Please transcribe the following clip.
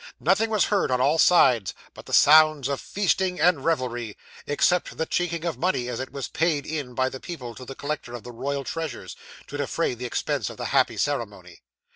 Nothing was heard, on all sides, but the sounds of feasting and revelry except the chinking of money as it was paid in by the people to the collector of the royal treasures, to defray the expenses of the happy ceremony.